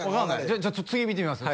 じゃあちょっと次見てみます？